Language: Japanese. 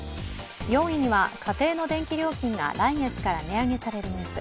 ４位には、家庭の電気料金が来月から値上げされるニュース。